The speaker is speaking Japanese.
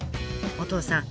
お義父さん